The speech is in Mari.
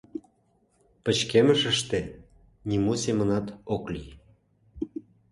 Пычкемышыште нимо семынат ок лий.